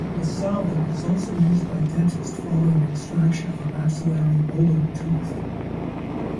Valsalva is also used by dentists following extraction of a maxillary molar tooth.